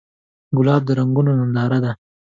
ګلاب د رنګونو ننداره ده.